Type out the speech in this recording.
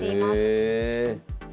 へえ。